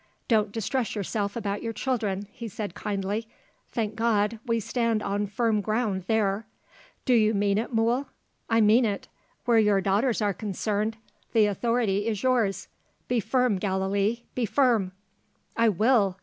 "Don't distress yourself about your children," he said kindly. "Thank God, we stand on firm ground, there." "Do you mean it, Mool?" "I mean it. Where your daughters are concerned, the authority is yours. Be firm, Gallilee! be firm!" "I will!